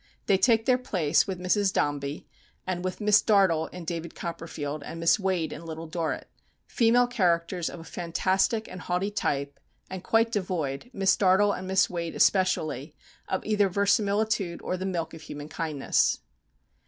They take their place with Mrs. Dombey and with Miss Dartle in "David Copperfield," and Miss Wade in "Little Dorrit" female characters of a fantastic and haughty type, and quite devoid, Miss Dartle and Miss Wade especially, of either verisimilitude or the milk of human kindness.